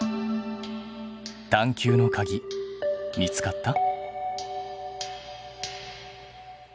探究のかぎ見つかった？